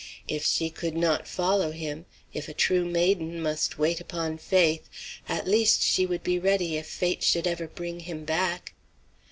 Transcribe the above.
If she could not follow him if a true maiden must wait upon faith at least she would be ready if fate should ever bring him back.